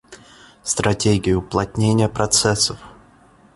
Стратегия уплотнения процессов